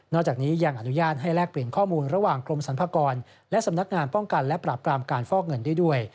จากนี้ยังอนุญาตให้แลกเปลี่ยนข้อมูลระหว่างกรมสรรพากรและสำนักงานป้องกันและปราบปรามการฟอกเงินได้ด้วย